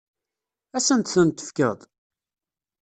Ad asent-ten-tefkeḍ?